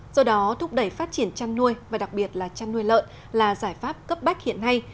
do đó thúc đẩy phát triển chăn nuôi và đặc biệt là chăn nuôi lợn là giải pháp cấp bách hiện nay